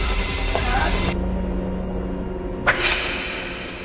あっ！